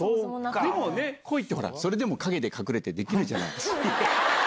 でも恋って、それでも陰で隠れてできるじゃない。